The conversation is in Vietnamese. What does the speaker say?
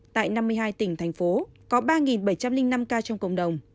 tại năm mươi hai tỉnh thành phố có ba bảy trăm linh năm ca trong cộng đồng